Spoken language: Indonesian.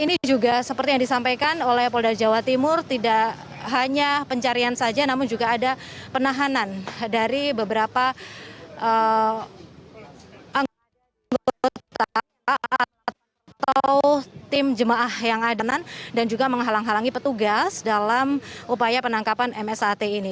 ini juga seperti yang disampaikan oleh polda jawa timur tidak hanya pencarian saja namun juga ada penahanan dari beberapa anggota atau tim jemaah yang ada dan juga menghalang halangi petugas dalam upaya penangkapan msat ini